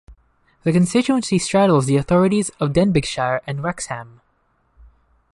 The constituency straddles the authorities of Denbighshire and Wrexham.